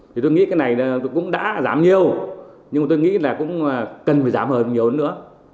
thì tôi nghĩ cái này cũng đã giảm nhiều nhưng mà tôi nghĩ là cũng cần phải giảm hơn nhiều hơn nữa